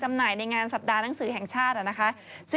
จำหน่ายในงานสัปดาห์นางสือแห่งชาติ